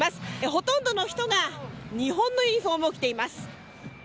ほとんどの人が日本のユニホームを着ています。